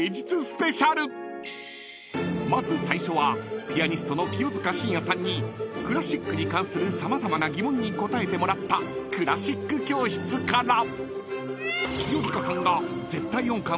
［まず最初はピアニストの清塚信也さんにクラシックに関する様々な疑問に答えてもらったクラシック教室から］